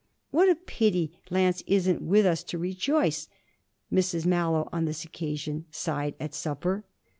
'What a pity Lance isn't with us to rejoice!' Mrs Mallow on this occasion sighed at supper.